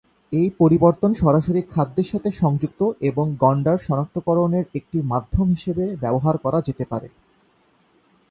এই পরিবর্তন সরাসরি খাদ্যের সাথে সংযুক্ত এবং গণ্ডার শনাক্তকরণের একটি মাধ্যম হিসাবে ব্যবহার করা যেতে পারে।